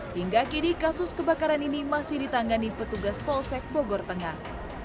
hingga kini kasus kebakaran ini masih ditangani petugas polsek bogor tengah